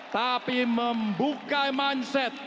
tapi membuka mindset